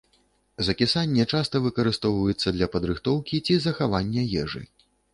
Закісанне часта выкарыстоўваецца для падрыхтоўкі ці захавання ежы.